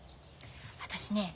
私ね